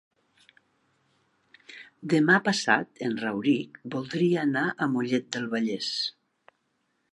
Demà passat en Rauric voldria anar a Mollet del Vallès.